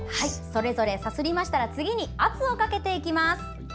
それぞれさすりましたら次に圧をかけていきます。